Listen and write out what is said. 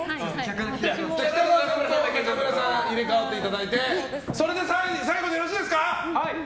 喜多川さんと中村さん入れ替わっていただいてそれで最後でよろしいですか。